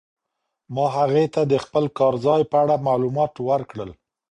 ما هغې ته د خپل کار ځای په اړه معلومات ورکړل.